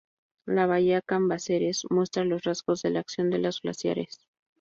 La bahía Cambaceres muestra los rasgos de la acción de los glaciares.